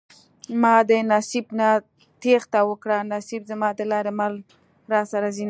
ما د نصيب نه تېښته وکړه نصيب زما د لارې مل راسره ځينه